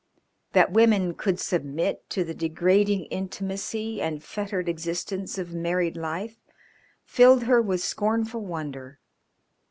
That women could submit to the degrading intimacy and fettered existence of married life filled her with scornful wonder.